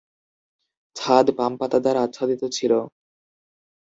ছাদ পাম পাতা দ্বারা আচ্ছাদিত ছিল।